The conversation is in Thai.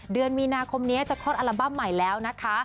เดือนมีนาคมนี้จะคลอดอัลบั้มใหม่แล้วนะคะ